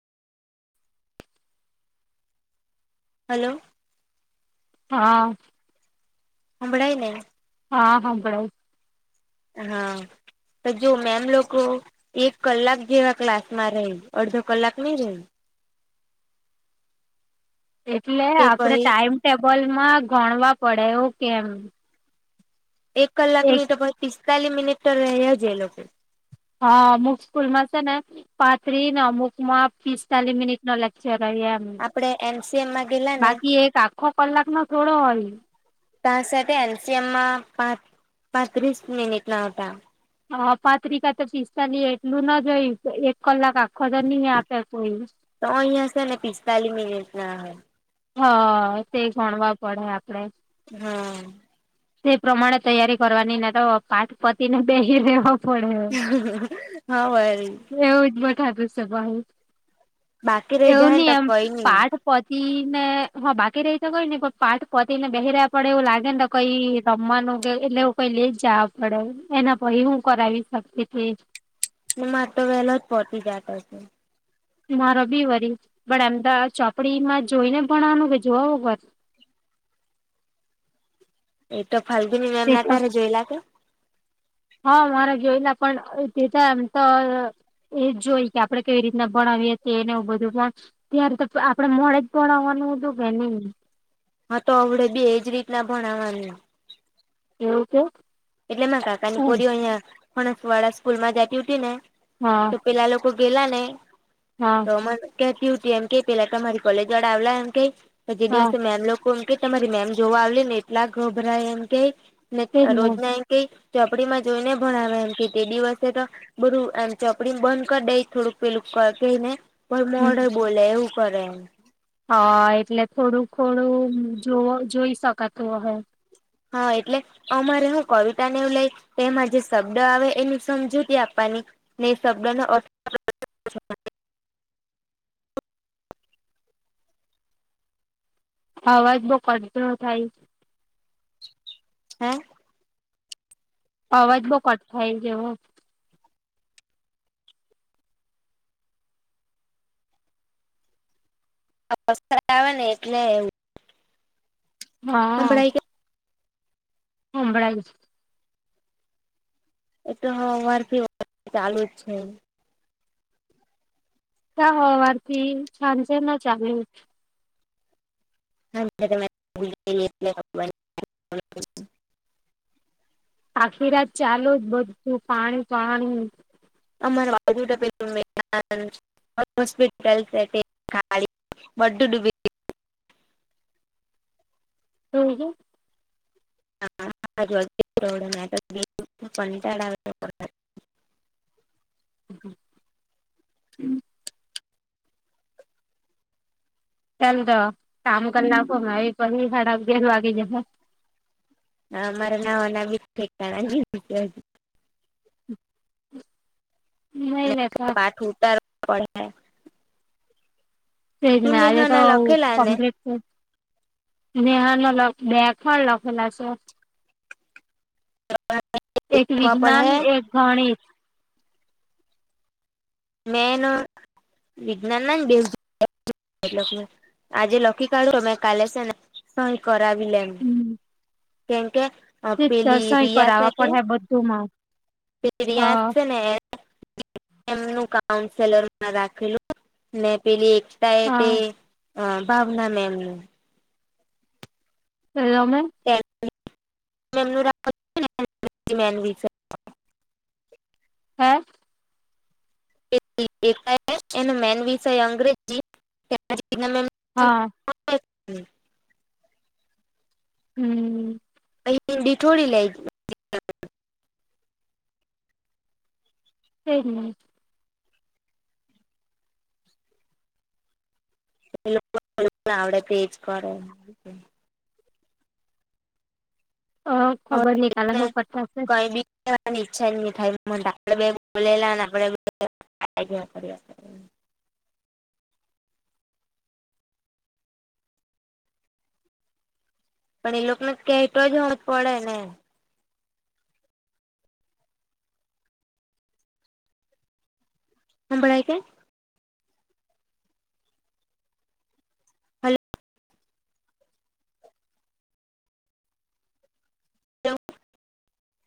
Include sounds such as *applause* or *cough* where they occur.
Hello હા હભળાઈને હા હંભળાય હા તો જો મેમ લોકો એક કલાક જેવા ક્લાસ માં રેય અડધો કલાક ની રેય એટલે કે આપડે પહી ટાઈમ ટેબલમાં ગણવા પડે એવું કેમ એક કલાક એક ની તો પહી પિસ્તાલીસ મિનિટ તો રેય જ એ લોકો હા અમુક સ્કૂલમાં છે ને પાત્રી ને અમુક માં પિસ્તાલીસ મિનિટ નો લેક્ચર હોય આપડે એમસીએમમાં ગેલા ને બાકી એક આખો કલાક નો થોડો હોય તા સે તે એલ સી એમમાં પા પાંત્રીસ મિનિટ ના હતા હા પાત્રિકા તો પિસ્તાલી એટલું ના જોયું એક કલાક આખો તો નહી આપે કોઈ તોહો અહીયા છે ને પિસ્તાલીસ મિનિટના હોય હા તે ગણવા પડે આપડે હા તે પ્રમાણે તૈયારી કરવાની ને તો પાટ પતિ ને બેહી રેહો હા વરી એવું જ બઠાતું છે બાકી ભઉ રહી એવું જાય ને ની તો એમ કઈ પાઠ નઈ પતી ને હા બાકી રેય તો કઈ ની પણ પાઠ પતી ને બેહી રે પડે એવું લાગે ને કઈ રમવાનું કે એટલે એવું પેલી જ જવા પડે એના પછી હું કરાવી શકતી તી મારે તો વહેલો જ પતી જાતો હતો મારો બી વરી પણ આમ ત ચોપડીમાં જોઈને ભણવાનું કે જોવા વગર એ તો ફાલગીની તે મેમના તો તારે જોયેલા કે હા મારા *unintelligible* એ જોઈ કે આપડે કેવી રીતના ભણાવીએ એને બધું પણ ત્યારે તો આપડે મોડે જ ભણાવાનું હતું કે નઈ હા તો આપડે બી એજ રીતના ભણાવાનું એવું કે એટલે માં કાકાની હા પોરી અહિયાં ફણસ વાળા સ્કૂલ માં જતી ઉ ને હા તો પેલા લો તો ગેલા ને હા તો કેહેતી હોતી એમ કે પેલા તમારી કોલેજ વાળ આવલા એમ કેય તો જે હા દિવસે મેમ લોકો એમ કે, તમારી મેમ જોવા આવે ને, એટલા ગભરાય, એમ કે ને રોજ. મ કે ચપડીમાં જોઈને ભણાવે, એમ કે તે દિવસે તો બરું એમ ચોપડી બંધ કરી દઈ, થોડુંક પેલું કઈ ને. પણ હમ મોર્ડર બોલે, એવું કરે એ. હા, એટલે થોડું થોડું જોવ જોઈ શકાતું, હ. હા, એટલે અમારે હું કવિતા નેવ લઈ તેમાં જે શબ્દ આવે, એની સમજૂતી આપવાની. ને શબ્દના અર્થ. અવાજ બહુ કટ થાય. હા. અવાજ બઉ કટ થાય, ગવ અસત્ર આવે, એટલે એવું. હા. સંભળાય કે હમ, ભરા જ છે. એ તો વાર થી વાર ચાલુ જ છે. તાવારથી છાન છે, ના ચાલે. હા, કપડાં. આખી રાત ચાલો જ બધું પાણી પાણી. અમાર બાજુ પેલું હોસ્પિટલ છે. વડુ ડુંબ. હમ, હ. હડ પડા *unintelligible* હ, હમ. તેમ તો કામ કલાકો મે આવી, પછી સાડા અગિયાર વાગે જવા. હ મારા નાવા ન બી ક *unintelligible* નહી લેતા ટટ પડ *unintelligible* શ જ તું નાે તો નેહાના લખેલા ને કપ્ટ *unintelligible* નેહા ને બેગણ લખેલા છે. એક લખવા વિજ્ઞાન પડે એક ગણિત. મેનું વિજ્ઞાનની બે એ આજે લખી કાઢું મેમે કાલે છે ને, સહી કરાવી લેમ. ગણિત કેમકે. આ તે પેલી સહી રિયા કરાવવા પડે બધુંમાં પે રિયા હા છેને. મ ન કાઉન્સેલર રાખેલું મે પેલી એક. ત એ તે હા અ ભાવના મે એમ *unintelligible* એમે. *unintelligible* હે. એનો મેન વિષય અંગ્રેજી. હા. હમ્મ. હિંદી થોડી લેય. *unintelligible* *unintelligible* અ ખબર નનીકલે હ પતાશે *unintelligible* વાની ઈચ્છા જ નહીં થાય, આપે બે બોલેલાને આપે. પણ એ લોકોને કેતો જ હોવ જ પડે ને. હભરાય કે? હલો